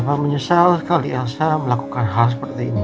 saya menyesal sekali elsa melakukan hal seperti ini